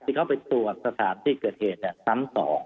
ที่เขาไปตรวจสถานที่เกิดเหตุซ้ำ๒